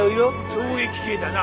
懲役刑だな。